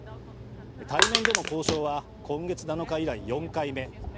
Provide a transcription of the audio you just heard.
対面での交渉は今月７日以来４回目。